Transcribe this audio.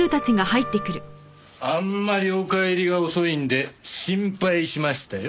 あんまりお帰りが遅いんで心配しましたよ。